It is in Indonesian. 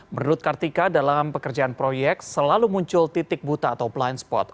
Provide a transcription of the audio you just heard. menurut kartika dalam pekerjaan proyek selalu muncul titik buta atau plind spot